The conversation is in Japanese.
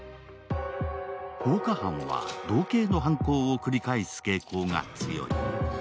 放火犯は同形の犯行を繰り返す傾向が強い。